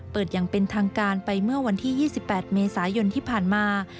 อย่างเป็นทางการไปเมื่อวันที่๒๘เมษายนที่ผ่านมา